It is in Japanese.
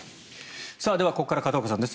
では、ここから片岡さんです。